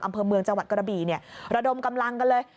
อำเภอเมืองจังหวัดกระบี่เนี่ยระดมกำลังกันเลย